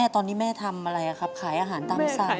ตอนนี้แม่ทำอะไรครับขายอาหารตามสั่ง